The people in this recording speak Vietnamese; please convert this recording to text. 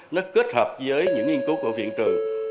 nó kết hợp với những nghiên cứu của viện trừ